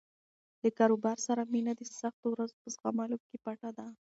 له کاروبار سره مینه د سختو ورځو په زغملو کې پټه ده.